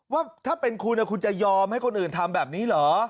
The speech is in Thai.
ว่าถ้าเป็นคุณคุณจะยอมให้คนอื่นทำแบบนี้เหรอ